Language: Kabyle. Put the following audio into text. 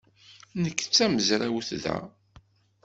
Nekk d tamezrawt da.